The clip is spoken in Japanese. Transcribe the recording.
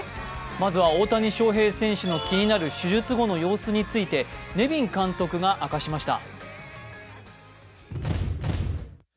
まずは大谷翔平選手の気になる手術後の様子についてネビン監督が明かしました。